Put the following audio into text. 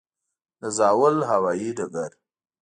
د زاول هوايي ډګر